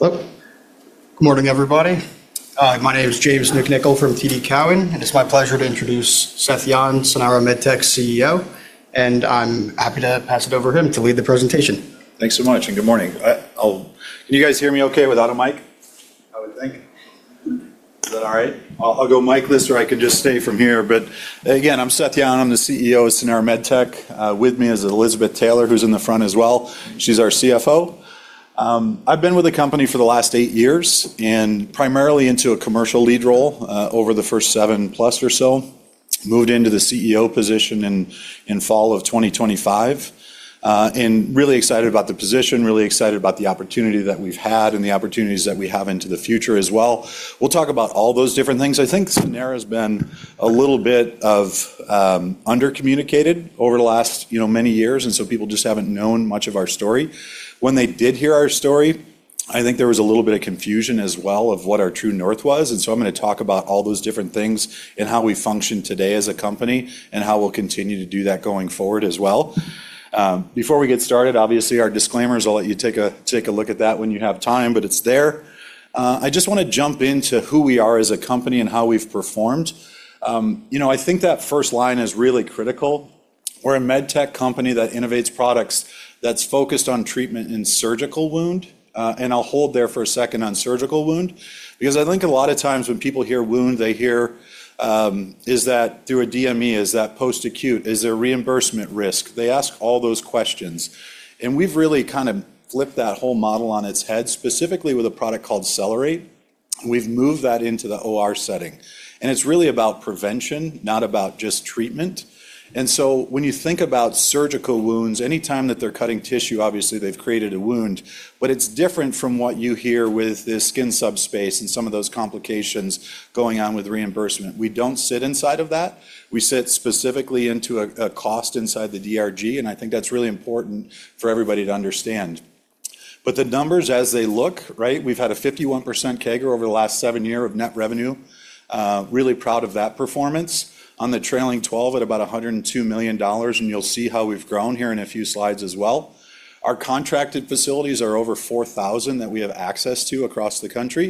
Hello. Good morning, everybody. My name is James McNichol from TD Cowen. It's my pleasure to introduce Seth Yon, Sanara MedTech's CEO. I'm happy to pass it over to him to lead the presentation. Thanks so much. Good morning. Can you guys hear me okay without a mic? I would think. Is that all right? I'll go mic-less, or I can just stay from here. Again, I'm Seth Yon. I'm the CEO of Sanara MedTech. With me is Elizabeth Taylor, who's in the front as well. She's our CFO. I've been with the company for the last eight years and primarily into a commercial lead role over the first seven plus or so. Moved into the CEO position in fall of 2025, Really excited about the position, really excited about the opportunity that we've had and the opportunities that we have into the future as well. We'll talk about all those different things. I think Sanara's been a little bit of under-communicated over the last, you know, many years, so people just haven't known much of our story. When they did hear our story, I think there was a little bit of confusion as well of what our true north was, and so I'm gonna talk about all those different things and how we function today as a company and how we'll continue to do that going forward as well. Before we get started, obviously our disclaimers, I'll let you take a look at that when you have time, but it's there. I just wanna jump into who we are as a company and how we've performed. You know, I think that first line is really critical. We're a med tech company that innovates products that's focused on treatment in surgical wound. I'll hold there for a second on surgical wound because I think a lot of times when people hear wound, they hear, is that through a DME? Is that post-acute? Is there reimbursement risk? They ask all those questions. We've really kind of flipped that whole model on its head, specifically with a product called CellerateRX. We've moved that into the OR setting. It's really about prevention, not about just treatment. When you think about surgical wounds, anytime that they're cutting tissue, obviously they've created a wound, but it's different from what you hear with the skin subspace and some of those complications going on with reimbursement. We don't sit inside of that. We sit specifically into a cost inside the DRG. I think that's really important for everybody to understand. The numbers as they look, right? We've had a 51% CAGR over the last seven year of net revenue. Really proud of that performance. On the trailing 12 at about $102 million, you'll see how we've grown here in a few slides as well. Our contracted facilities are over 4,000 that we have access to across the country.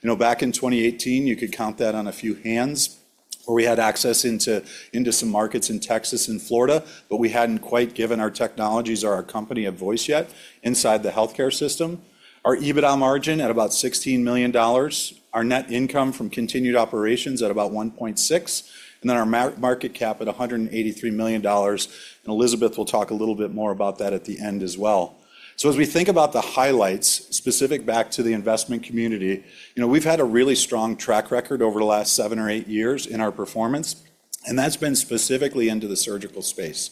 You know, back in 2018, you could count that on a few hands, where we had access into some markets in Texas and Florida, we hadn't quite given our technologies or our company a voice yet inside the healthcare system. Our EBITDA margin at about $16 million. Our net income from continued operations at about $1.6 million, our market cap at $183 million. Elizabeth will talk a little bit more about that at the end as well. As we think about the highlights specific back to the investment community, you know, we've had a really strong track record over the last 7 years or 8 years in our performance, and that's been specifically into the surgical space.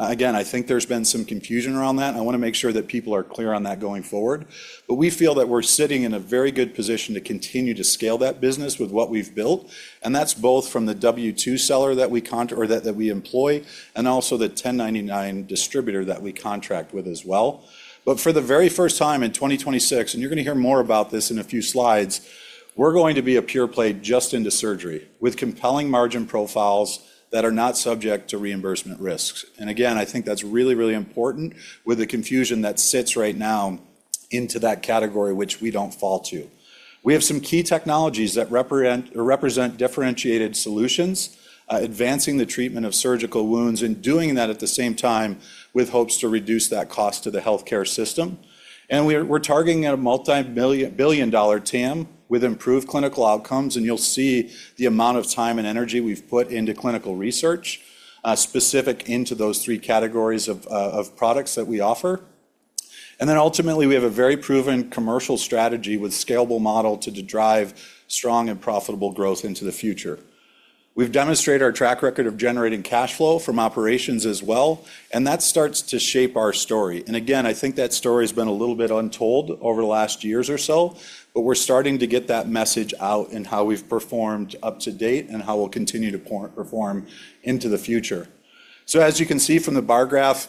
I think there's been some confusion around that. I wanna make sure that people are clear on that going forward. We feel that we're sitting in a very good position to continue to scale that business with what we've built, and that's both from the W-2 seller or that we employ, and also the 1099 distributor that we contract with as well. For the very first time in 2026, and you're gonna hear more about this in a few slides, we're going to be a pure play just into surgery with compelling margin profiles that are not subject to reimbursement risks. Again, I think that's really, really important with the confusion that sits right now into that category which we don't fall to. We have some key technologies that represent differentiated solutions, advancing the treatment of surgical wounds and doing that at the same time with hopes to reduce that cost to the healthcare system. We're targeting a billion-dollar TAM with improved clinical outcomes, and you'll see the amount of time and energy we've put into clinical research, specific into those three categories of products that we offer. Ultimately, we have a very proven commercial strategy with scalable model to drive strong and profitable growth into the future. We've demonstrated our track record of generating cash flow from operations as well. That starts to shape our story. Again, I think that story's been a little bit untold over the last years or so, but we're starting to get that message out in how we've performed up to date and how we'll continue to perform into the future. As you can see from the bar graph,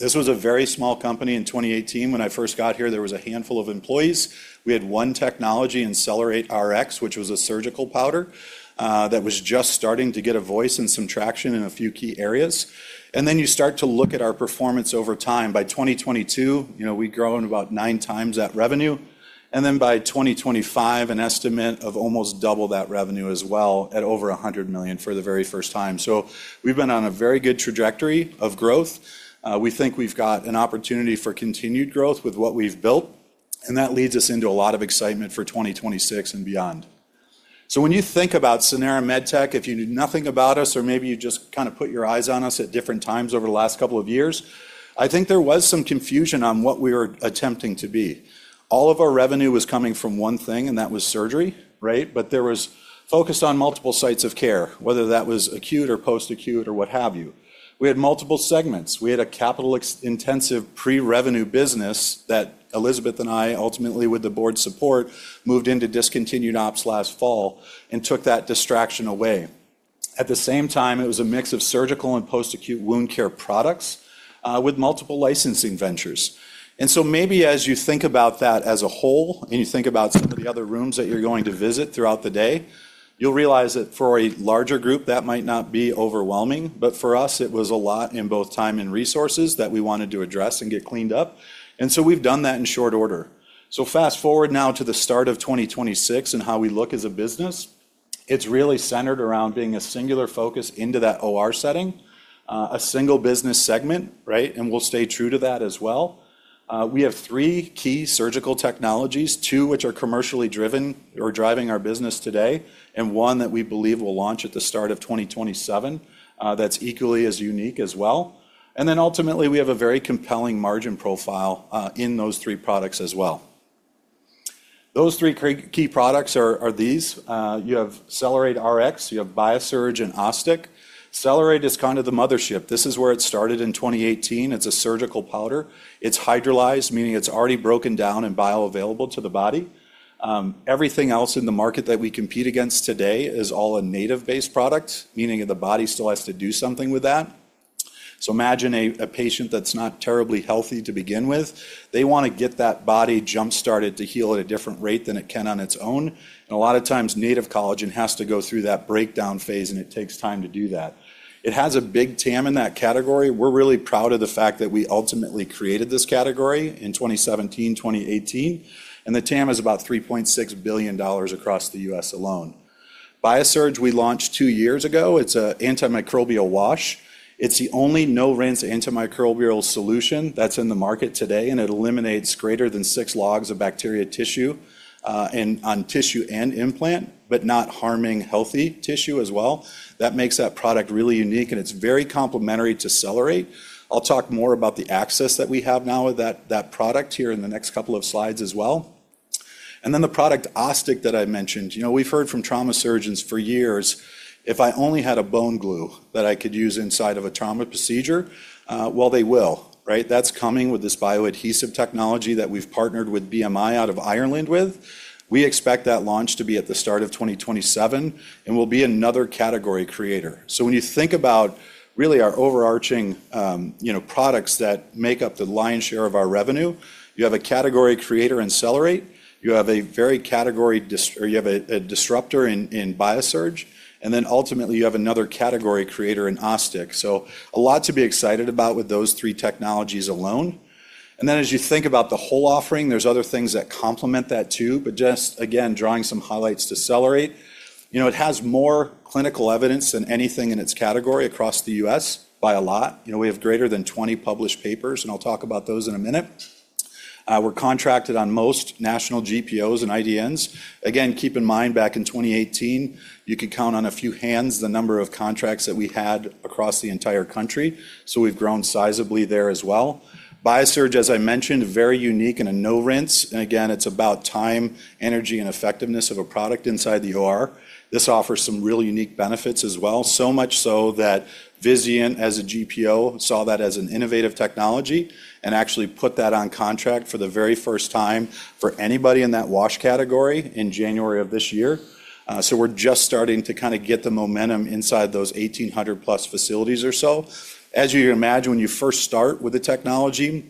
this was a very small company in 2018. When I first got here, there was a handful of employees. We had one technology in CellerateRX, which was a surgical powder that was just starting to get a voice and some traction in a few key areas. Then you start to look at our performance over time. By 2022, you know, we'd grown about nine times that revenue. Then by 2025, an estimate of almost double that revenue as well at over $100 million for the very first time. We've been on a very good trajectory of growth. We think we've got an opportunity for continued growth with what we've built, and that leads us into a lot of excitement for 2026 and beyond. When you think about Sanara MedTech, if you knew nothing about us or maybe you just kinda put your eyes on us at different times over the last couple of years, I think there was some confusion on what we were attempting to be. All of our revenue was coming from one thing, and that was surgery, right? There was focus on multiple sites of care, whether that was acute or post-acute or what have you. We had multiple segments. We had a capital intensive pre-revenue business that Elizabeth and I, ultimately with the board's support, moved into discontinued ops last fall and took that distraction away. At the same time, it was a mix of surgical and post-acute wound care products, with multiple licensing ventures. Maybe as you think about that as a whole, and you think about some of the other rooms that you're going to visit throughout the day, you'll realize that for a larger group, that might not be overwhelming. For us, it was a lot in both time and resources that we wanted to address and get cleaned up. We've done that in short order. Fast-forward now to the start of 2026 and how we look as a business. It's really centered around being a singular focus into that OR setting, a single business segment, right? We'll stay true to that as well. We have three key surgical technologies, two which are commercially driven or driving our business today, and one that we believe will launch at the start of 2027, that's equally as unique as well. Ultimately, we have a very compelling margin profile in those three products as well. Those three key products are these. You have CellerateRX, you have BIASURGE, and OsStic. Cellerate is kind of the mothership. This is where it started in 2018. It's a surgical powder. It's hydrolyzed, meaning it's already broken down and bioavailable to the body. Everything else in the market that we compete against today is all a native-based product, meaning the body still has to do something with that. Imagine a patient that's not terribly healthy to begin with. They wanna get that body jump-started to heal at a different rate than it can on its own. A lot of times, native collagen has to go through that breakdown phase, it takes time to do that. It has a big TAM in that category. We're really proud of the fact that we ultimately created this category in 2017, 2018, the TAM is about $3.6 billion across the U.S. alone. BIASURGE we launched two years ago. It's a antimicrobial wash. It's the only no-rinse antimicrobial solution that's in the market today, it eliminates greater than six logs of bacteria tissue on tissue and implant, not harming healthy tissue as well. That makes that product really unique, it's very complementary to Cellerate. I'll talk more about the access that we have now with that product here in the next couple of slides as well. The product OsStic that I mentioned. You know, we've heard from trauma surgeons for years, "If I only had a bone glue that I could use inside of a trauma procedure." Well, they will, right? That's coming with this bioadhesive technology that we've partnered with BMI out of Ireland with. We expect that launch to be at the start of 2027 and will be another category creator. When you think about really our overarching, you know, products that make up the lion's share of our revenue, you have a category creator in CellerateRX. You have a very category or you have a disruptor in BIASURGE. Ultimately, you have another category creator in OsStic. A lot to be excited about with those three technologies alone. As you think about the whole offering, there's other things that complement that too. Just again, drawing some highlights to Cellerate. You know, it has more clinical evidence than anything in its category across the U.S. by a lot. You know, we have greater than 20 published papers, and I'll talk about those in a minute. We're contracted on most national GPOs and IDNs. Again, keep in mind, back in 2018, you could count on a few hands the number of contracts that we had across the entire country. We've grown sizably there as well. BIASURGE, as I mentioned, very unique and a no-rinse. Again, it's about time, energy, and effectiveness of a product inside the OR. This offers some really unique benefits as well. Much so that Vizient, as a GPO, saw that as an innovative technology and actually put that on contract for the very first time for anybody in that wash category in January of this year. We're just starting to kinda get the momentum inside those 1,800 plus facilities or so. As you can imagine, when you first start with the technology,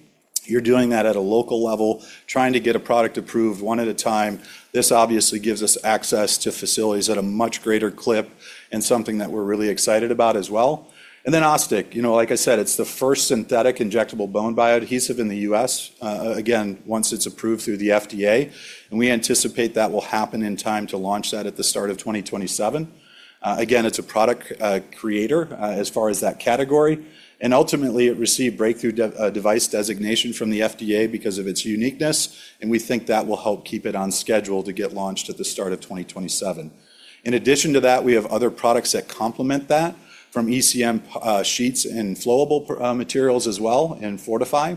you're doing that at a local level, trying to get a product approved one at a time. This obviously gives us access to facilities at a much greater clip and something that we're really excited about as well. OsStic. You know, like I said, it's the first synthetic injectable bone bioadhesive in the U.S., again, once it's approved through the FDA. We anticipate that will happen in time to launch that at the start of 2027. Again, it's a product, creator, as far as that category. Ultimately, it received Breakthrough Device designation from the FDA because of its uniqueness, and we think that will help keep it on schedule to get launched at the start of 2027. In addition to that, we have other products that complement that, from ECM sheets and flowable materials as well in FORTIFY.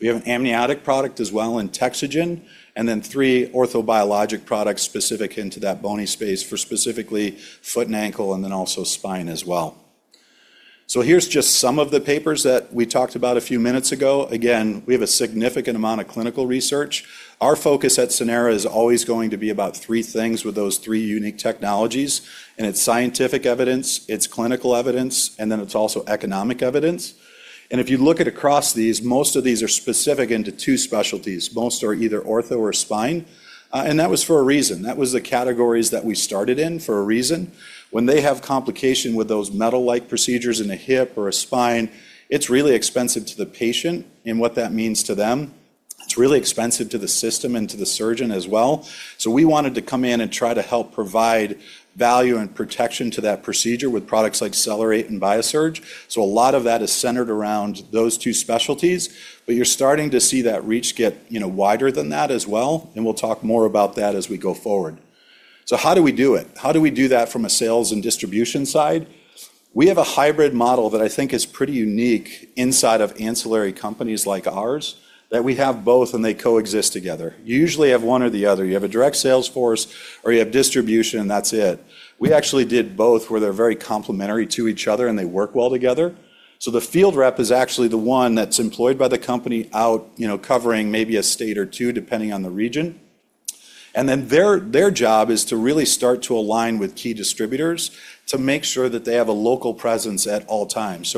We have an amniotic product as well in TEXAGEN, and then three orthobiologic products specific into that bony space for specifically foot and ankle and then also spine as well. Here's just some of the papers that we talked about a few minutes ago. Again, we have a significant amount of clinical research. Our focus at Sanara is always going to be about three things with those three unique technologies, it's scientific evidence, it's clinical evidence, it's also economic evidence. If you look at across these, most of these are specific into two specialties. Most are either ortho or spine, that was for a reason. That was the categories that we started in for a reason. When they have complication with those metal-like procedures in a hip or a spine, it's really expensive to the patient and what that means to them. It's really expensive to the system and to the surgeon as well. We wanted to come in and try to help provide value and protection to that procedure with products like CellerateRX and BIASURGE. A lot of that is centered around those two specialties, but you're starting to see that reach get, you know, wider than that as well, and we'll talk more about that as we go forward. How do we do it? How do we do that from a sales and distribution side? We have a hybrid model that I think is pretty unique inside of ancillary companies like ours, that we have both and they coexist together. You usually have one or the other. You have a direct sales force or you have distribution, and that's it. We actually did both where they're very complementary to each other and they work well together. The field rep is actually the one that's employed by the company out, you know, covering maybe a state or two, depending on the region. Their job is to really start to align with key distributors to make sure that they have a local presence at all times.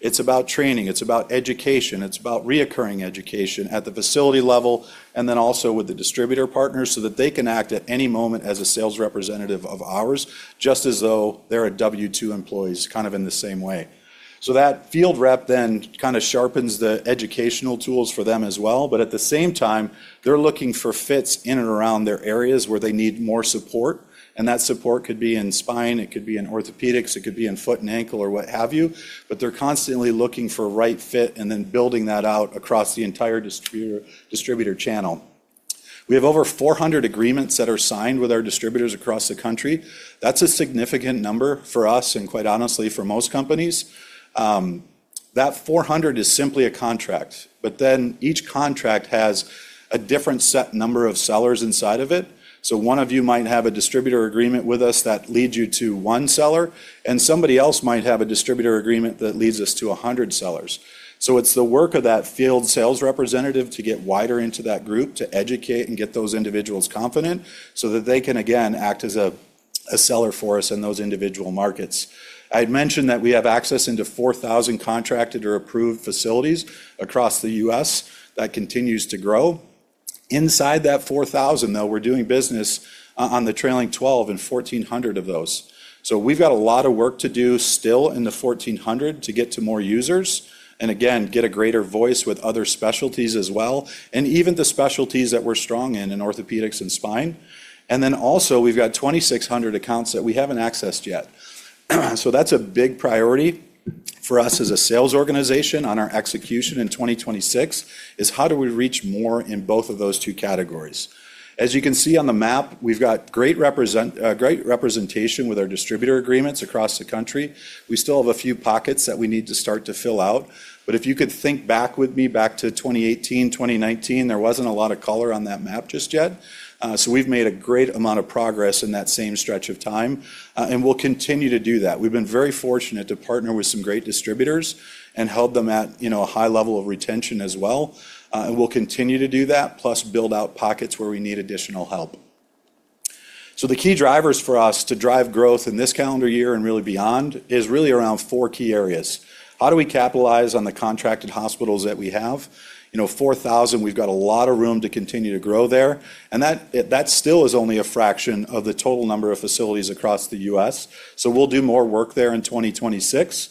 It's about training, it's about education, it's about reoccurring education at the facility level and then also with the distributor partners so that they can act at any moment as a sales representative of ours, just as though they're a W-2 employee, kind of in the same way. That field rep then kinda sharpens the educational tools for them as well. At the same time, they're looking for fits in and around their areas where they need more support, and that support could be in spine, it could be in orthopedics, it could be in foot and ankle or what have you. They're constantly looking for right fit and then building that out across the entire distributor channel. We have over 400 agreements that are signed with our distributors across the country. That's a significant number for us and quite honestly for most companies. That 400 is simply a contract, but then each contract has a different set number of sellers inside of it. One of you might have a distributor agreement with us that leads you to one seller, and somebody else might have a distributor agreement that leads us to 100 sellers. It's the work of that field sales representative to get wider into that group, to educate and get those individuals confident so that they can again act as a seller for us in those individual markets. I'd mentioned that we have access into 4,000 contracted or approved facilities across the U.S. That continues to grow. Inside that 4,000, though, we're doing business on the trailing 12 in 1,400 of those. We've got a lot of work to do still in the 1,400 to get to more users, and again, get a greater voice with other specialties as well, and even the specialties that we're strong in orthopedics and spine. Also, we've got 2,600 accounts that we haven't accessed yet. That's a big priority for us as a sales organization on our execution in 2026, is how do we reach more in both of those two categories? As you can see on the map, we've got great representation with our distributor agreements across the country. We still have a few pockets that we need to start to fill out. If you could think back with me back to 2018, 2019, there wasn't a lot of color on that map just yet. So we've made a great amount of progress in that same stretch of time, and we'll continue to do that. We've been very fortunate to partner with some great distributors and held them at, you know, a high level of retention as well, and we'll continue to do that, plus build out pockets where we need additional help. The key drivers for us to drive growth in this calendar year and really beyond is really around four key areas. How do we capitalize on the contracted hospitals that we have? You know, 4,000, we've got a lot of room to continue to grow there. That still is only a fraction of the total number of facilities across the U.S., so we'll do more work there in 2026.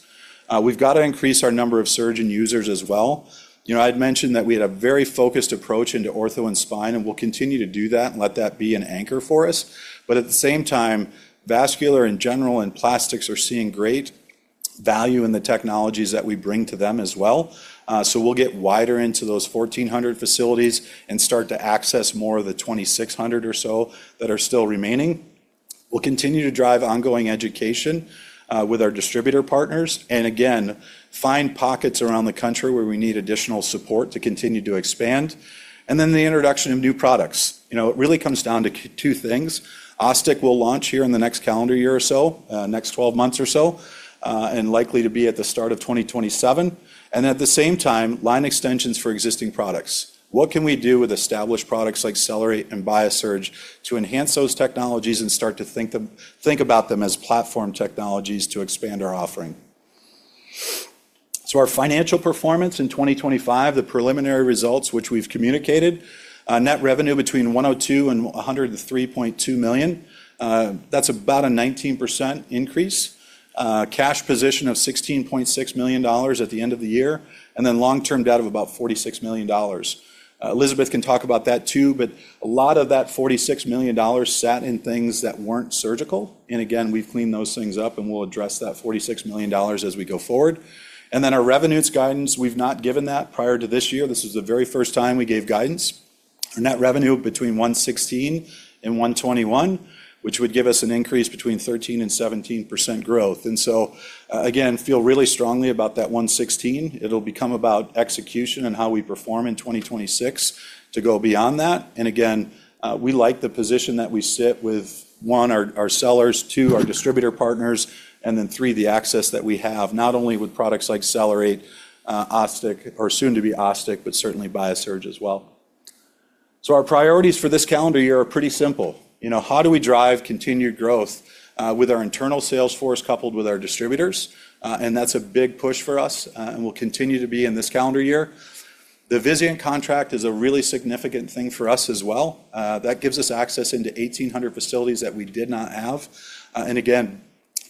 We've got to increase our number of surgeon users as well. You know, I'd mentioned that we had a very focused approach into ortho and spine, and we'll continue to do that and let that be an anchor for us. At the same time, vascular in general and plastics are seeing great value in the technologies that we bring to them as well. We'll get wider into those 1,400 facilities and start to access more of the 2,600 or so that are still remaining. We'll continue to drive ongoing education with our distributor partners, and again, find pockets around the country where we need additional support to continue to expand. The introduction of new products. You know, it really comes down to two things. OsStic will launch here in the next calendar year or so, next 12 months or so, likely to be at the start of 2027. At the same time, line extensions for existing products. What can we do with established products like CellerateRX and BIASURGE to enhance those technologies and start to think about them as platform technologies to expand our offering? Our financial performance in 2025, the preliminary results which we've communicated, net revenue between $102 million and $103.2 million. That's about a 19% increase. Cash position of $16.6 million at the end of the year, long-term debt of about $46 million. Elizabeth can talk about that too, but a lot of that $46 million sat in things that weren't surgical. Again, we've cleaned those things up, and we'll address that $46 million as we go forward. Our revenues guidance, we've not given that prior to this year. This is the very first time we gave guidance. Our net revenue between $116 million and $121 million, which would give us an increase between 13% and 17% growth. Again, feel really strongly about that $116 million. It'll become about execution and how we perform in 2026 to go beyond that. Again, we like the position that we sit with, one, our sellers, two, our distributor partners, and then three, the access that we have, not only with products like CellerateRX, OsStic, or soon to be OsStic, but certainly BIASURGE as well. Our priorities for this calendar year are pretty simple. You know, how do we drive continued growth with our internal sales force coupled with our distributors? That's a big push for us and will continue to be in this calendar year. The Vizient contract is a really significant thing for us as well. That gives us access into 1,800 facilities that we did not have. Again,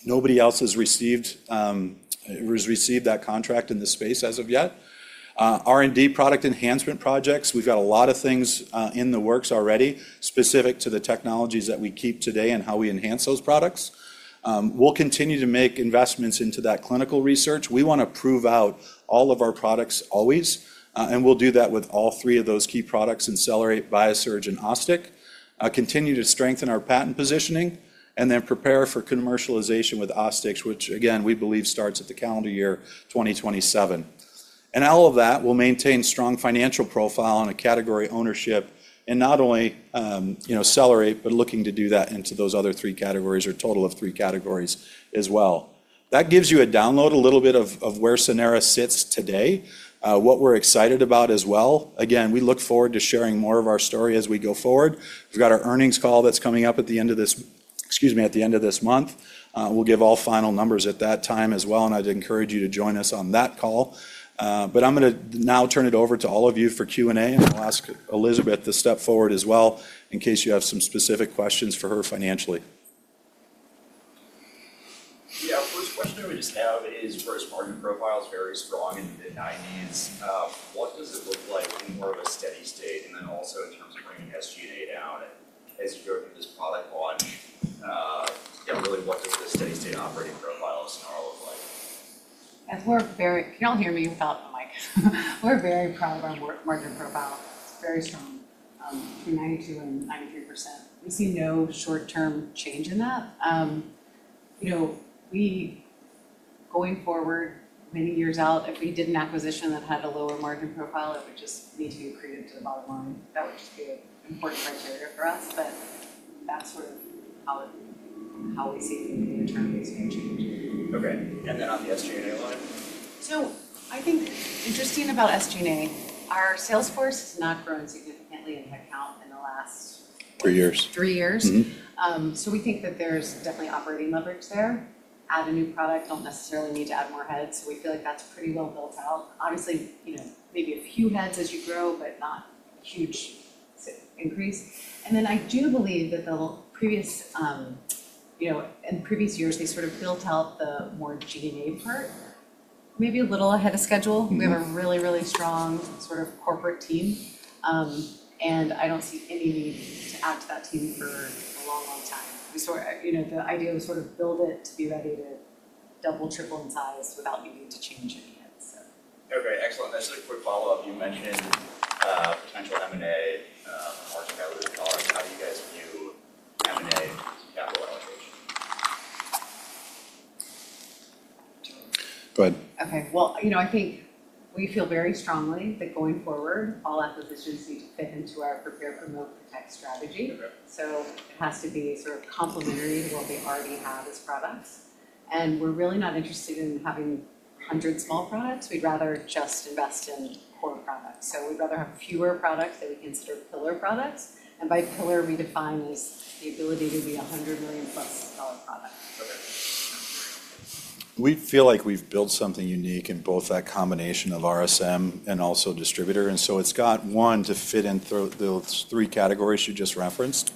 nobody else has received that contract in this space as of yet. R&D product enhancement projects, we've got a lot of things in the works already specific to the technologies that we keep today and how we enhance those products. We'll continue to make investments into that clinical research. We wanna prove out all of our products always, we'll do that with all three of those key products in CellerateRX, BIASURGE, and OsStic. Continue to strengthen our patent positioning, then prepare for commercialization with OsStic, which again, we believe starts at the calendar year 2027. All of that will maintain strong financial profile and a category ownership in not only, you know, CellerateRX, but looking to do that into those other three categories or total of three categories as well. That gives you a download, a little bit of where Sanara sits today, what we're excited about as well. We look forward to sharing more of our story as we go forward. We've got our earnings call that's coming up at the end of this-- excuse me, at the end of this month. We'll give all final numbers at that time as well, and I'd encourage you to join us on that call. I'm gonna now turn it over to all of you for Q&A, and I'll ask Elizabeth to step forward as well in case you have some specific questions for her financially. First question I would just have is first margin profile is very strong in the mid-90s%. What does it look like in more of a steady state? Also, in terms of bringing SG&A down as you go through this product launch? Really what does the steady state operating profile of Sanara look like? If you all hear me without the mic. We're very proud of our market profile. It's very strong, between 92% and 93%. We see no short-term change in that. you know, going forward many years out, if we did an acquisition that had a lower margin profile, it would just need to be accretive to the bottom line. That would just be an important criteria for us. That's sort of how we see the near term landscape changing. Okay. On the SG&A line? I think interesting about SG&A, our sales force has not grown significantly in headcount in the last. Three years. Three years. Mm-hmm. We think that there's definitely operating leverage there. Add a new product, don't necessarily need to add more heads. We feel like that's pretty well built out. Obviously, you know, maybe a few heads as you grow, but not huge increase. I do believe that the previous, you know, in previous years, they sort of built out the more G&A part maybe a little ahead of schedule. Mm-hmm. We have a really, really strong sort of corporate team. I don't see any need to add to that team for a long, long time. You know, the idea was sort of build it to be ready to double, triple in size without needing to change any of it. Okay. Excellent. Just a quick follow-up. You mentioned potential M&A working out with callers. How do you guys view M&A capital allocation? Go ahead. Okay. Well, you know, I think we feel very strongly that going forward, all acquisitions need to fit into our Prepare, Promote, Protect strategy. Okay. It has to be sort of complementary to what we already have as products. We're really not interested in having 100 small products. We'd rather just invest in core products. We'd rather have fewer products that we consider pillar products. By pillar, we define as the ability to be a $100 million plus dollar product. Okay. We feel like we've built something unique in both that combination of RSM and also distributor. It's got one to fit in those three categories you just referenced.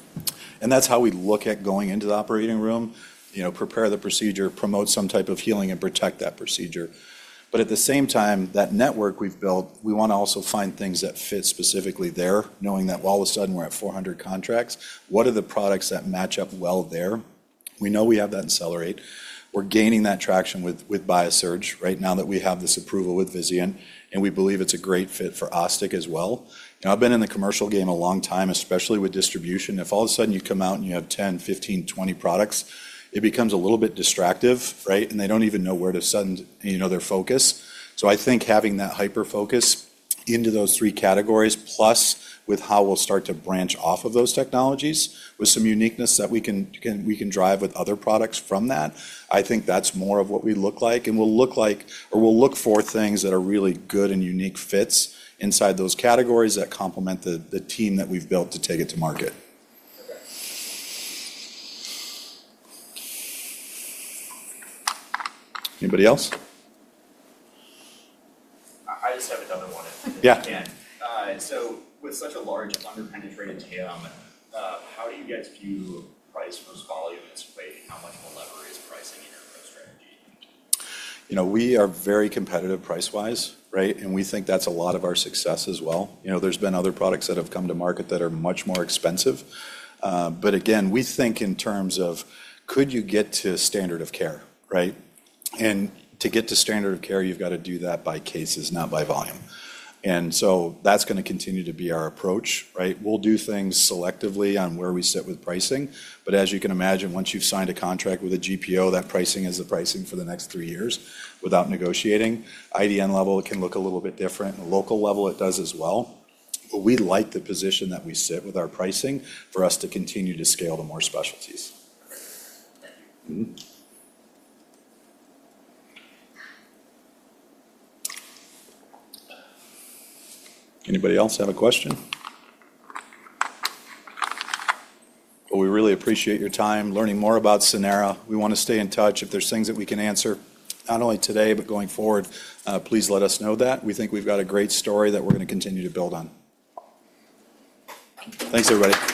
That's how we look at going into the operating room. You know, prepare the procedure, promote some type of healing, and protect that procedure. At the same time, that network we've built, we wanna also find things that fit specifically there, knowing that all of a sudden we're at 400 contracts. What are the products that match up well there? We know we have that in CellerateRX. We're gaining that traction with BIASURGE right now that we have this approval with Vizient, and we believe it's a great fit for OsStic as well. Now, I've been in the commercial game a long time, especially with distribution. If all of a sudden you come out and you have 10, 15, 20 products, it becomes a little bit distractive, right? They don't even know where to send, you know, their focus. I think having that hyper-focus into those three categories, plus with how we'll start to branch off of those technologies with some uniqueness that we can drive with other products from that, I think that's more of what we look like. We'll look like or we'll look for things that are really good and unique fits inside those categories that complement the team that we've built to take it to market. Okay. Anybody else? I just have another one if I can. Yeah. With such a large under-penetrated TAM, how do you guys view price versus volume as it relates to how much we'll leverage pricing in your growth strategy? You know, we are very competitive price-wise, right? We think that's a lot of our success as well. You know, there's been other products that have come to market that are much more expensive. But again, we think in terms of could you get to standard of care, right? To get to standard of care, you've got to do that by cases, not by volume. That's gonna continue to be our approach, right? We'll do things selectively on where we sit with pricing. As you can imagine, once you've signed a contract with a GPO, that pricing is the pricing for the next three years without negotiating. IDN level can look a little bit different. Local level, it does as well. We like the position that we sit with our pricing for us to continue to scale to more specialties. Anybody else have a question? Well, we really appreciate your time learning more about Sanara. We wanna stay in touch. If there's things that we can answer, not only today, but going forward, please let us know that. We think we've got a great story that we're gonna continue to build on. Thanks, everybody.